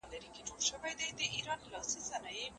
او ترسیالانو به دي تل وي ګړندي ګامونه.